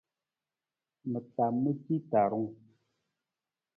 Ma taa ma ci tarung.